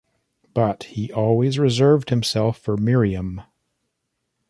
But he always reserved himself for Miriam.